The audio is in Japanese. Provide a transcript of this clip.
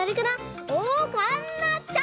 おかんなちゃん！